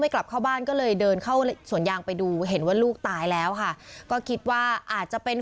กลับเข้าบ้านก็เลยเดินเข้าสวนยางไปดูเห็นว่าลูกตายแล้วค่ะก็คิดว่าอาจจะเป็น